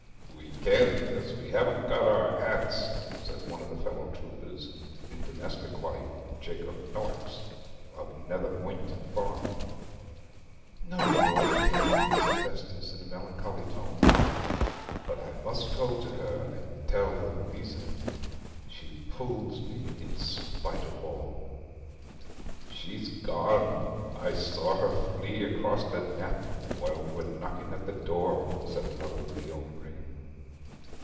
'We can't, as we hav'n't got our hats,' said one of his fellow troopers in domestic life Jacob Noakes, of Muckleford Farm. 'No more we can,' said Festus, in a melancholy tone. 'But I must go to her and tell her the reason. She pulls me in spite of all.' 'She's gone. I saw her flee across park while we were knocking at the door,' said another of the yeomanry.